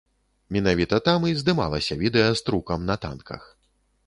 Менавіта там і здымалася відэа з трукам на танках.